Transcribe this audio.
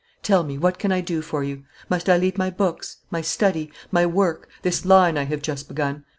Tell me, what can I do for you? Must I leave my books, my study, my work, this line I have just begun?